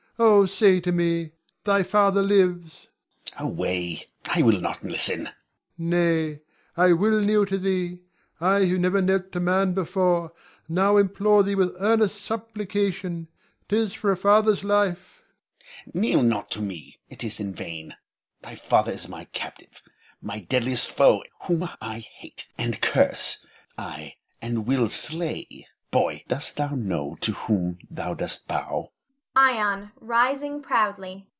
Oh, say to me, "Thy father lives!" Moh'd. Away! I will not listen. Ion. Nay, I will kneel to thee. I who never knelt to man before, now implore thee with earnest supplication. 'Tis for a father's life. Moh'd. Kneel not to me, it is in vain. Thy father is my captive, my deadliest foe, whom I hate, and curse, ay, and will slay. Boy, dost thou know to whom thou dost bow?